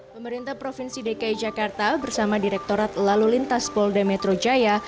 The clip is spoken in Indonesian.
pemerintah provinsi dki jakarta bersama direktorat lalu lintas polda metro jaya